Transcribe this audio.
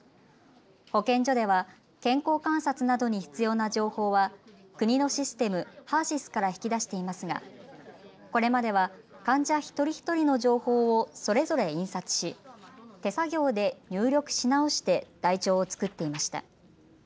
保健所では健康観察などに必要な情報は国のシステムＨＥＲーＳＹＳから引き出していますがこれまでは患者一人一人の情報をそれぞれ印刷し、手作業で入力し直して台帳を作っていました。